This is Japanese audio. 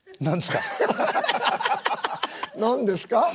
何ですか。